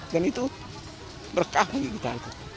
dan itu berkah bagi kita